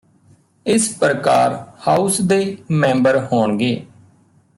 ਇਸ ਪ੍ਰਕਾਰ ਹਾਊਸ ਦੇ ਮੈਂਬਰ ਹੋਣਗੇ